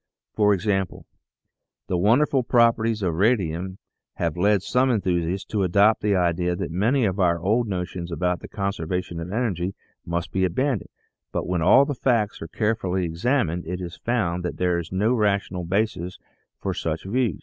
For example, the wonderful properties of radium have led some enthusiasts to adopt the idea that many of our old notions about the conservation of energy must be abandoned, but when all the facts are carefully examined it is found that there is no rational basis for such views.